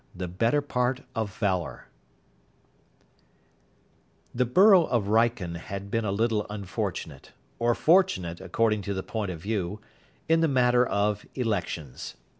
IV THE BETTER PART OF VALOUR The borough of Wrykyn had been a little unfortunate or fortunate, according to the point of view in the matter of elections.